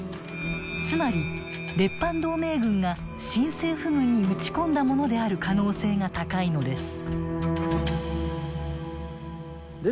つまり列藩同盟軍が新政府軍に撃ち込んだものである可能性が高いのです。